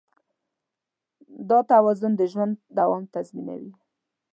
دا توازن د ژوند دوام تضمینوي.